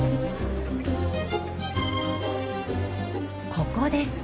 ここです。